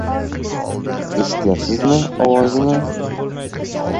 — Eshityapsizmi, ovozini?